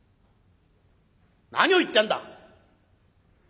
何を言ってやんだ。